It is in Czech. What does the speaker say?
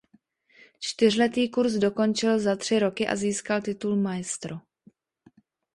Čtyřletý kurz dokončil za tři roky a získal titul "Maestro".